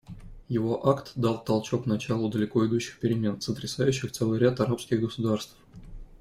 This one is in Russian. Его акт дал толчок началу далеко идущих перемен, сотрясающих целый ряд арабских государств.